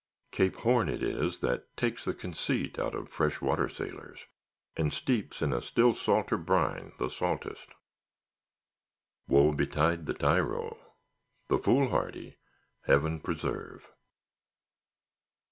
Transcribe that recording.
Cape Horn it is that takes the conceit out of fresh water sailors, and steeps in a still salter brine the saltest. Woe betide the tyro; the fool hardy, Heaven preserve!